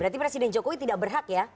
berarti presiden jokowi tidak berhak ya